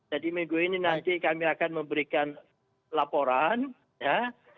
jadi minggu ini nanti kami akan memberikan laporan ya